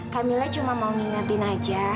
kak mila cuma mau ngingetin aja